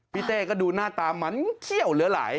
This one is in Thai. เต้ก็ดูหน้าตามันเขี้ยวเหลือหลาย